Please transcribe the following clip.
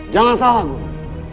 jangan salah guru